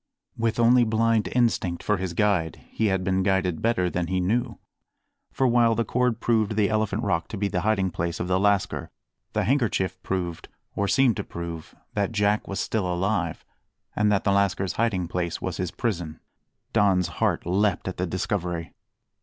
With only blind instinct for his guide, he had been guided better than he knew; for while the cord proved the Elephant Rock to be the hiding place of the lascar, the handkerchief proved, or seemed to prove, that Jack was still alive and that the lascar's hiding place was his prison. Don's heart leapt at the discovery.